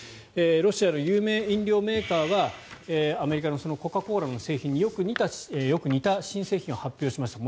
ロシアの有名飲料メーカーはアメリカのコカ・コーラの製品によく似た新製品を発表しました。